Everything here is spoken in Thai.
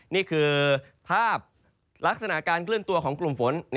นี่คือภาพลักษณะการเคลื่อนตัวของกลุ่มฝน